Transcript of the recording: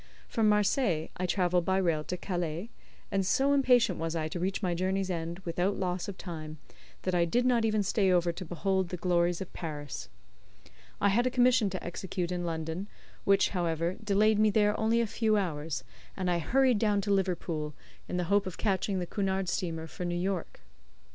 From Marseilles I travelled by rail to Calais, and so impatient was I to reach my journey's end without loss of time, that I did not even stay over to behold the glories of Paris. I had a commission to execute in London, which, however, delayed me there only a few hours, and I hurried down to Liverpool, in the hope of catching the Cunard Steamer for New York.